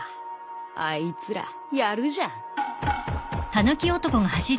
あいつらやるじゃん。